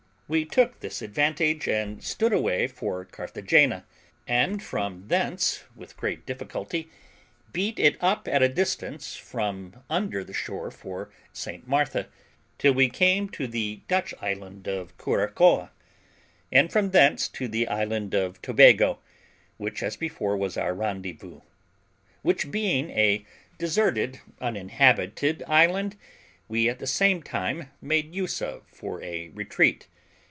We took this advantage, and stood away for Carthagena, and from thence with great difficulty beat it up at a distance from under the shore for St. Martha, till we came to the Dutch island of Curacoa, and from thence to the island of Tobago, which, as before, was our rendezvous; which, being a deserted, uninhabited island, we at the same time made use of for a retreat.